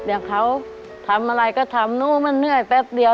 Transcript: เดี๋ยวเขาทำอะไรก็ทำนู้นมันเหนื่อยแป๊บเดียว